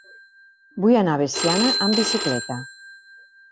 Vull anar a Veciana amb bicicleta.